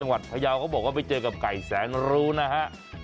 ประเภทภายวัฒนภายาวเขาบอกว่าไปเจอกับไก่แสนรู้นะฮะ